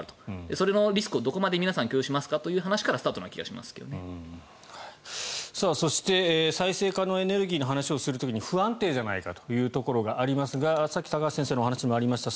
そのリスクを皆さんどこまで許容しますかというところがそして再生可能エネルギーの話をする時に不安定じゃないかというところがありますがさっき高橋先生の話にもありました